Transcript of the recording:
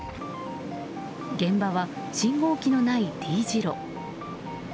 現場は信号機のないＴ字路。